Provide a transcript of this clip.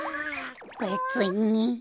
べつに。